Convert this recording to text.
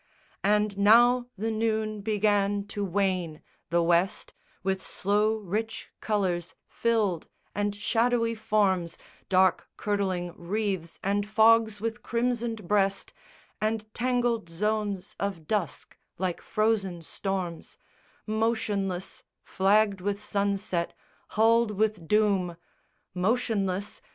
And now the noon began to wane; the west With slow rich colours filled and shadowy forms, Dark curdling wreaths and fogs with crimsoned breast, And tangled zones of dusk like frozen storms, Motionless, flagged with sunset, hulled with doom! Motionless?